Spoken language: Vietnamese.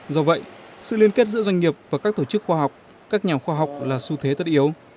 do vậy sự liên kết giữa doanh nghiệp và các tổ chức khoa học các nhà khoa học là xu thế tất yếu